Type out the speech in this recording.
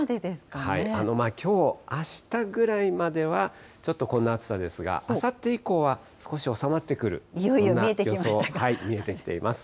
きょう、あしたぐらいまではちょっとこの暑さですが、あさって以降は少し収まってくる、そんな予想、見えてきています。